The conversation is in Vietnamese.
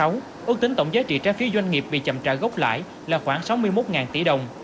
ước tính tổng giá trị trái phiếu doanh nghiệp bị chậm trả gốc lãi là khoảng sáu mươi một tỷ đồng